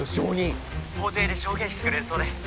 法廷で証言してくれるそうです。